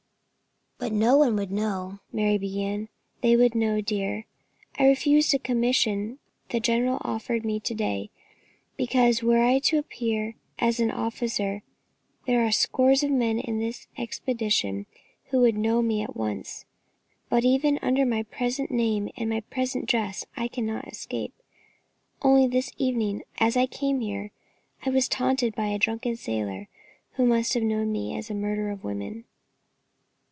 "But no one would know," Mary began. "They would know, dear. I refused a commission the General offered me to day, because were I to appear as an officer there are a score of men in this expedition who would know me at once; but even under my present name and my present dress I cannot escape. Only this evening, as I came here, I was taunted by a drunken soldier, who must have known me, as a murderer of women.